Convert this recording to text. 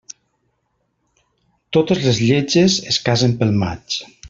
Totes les lletges es casen pel maig.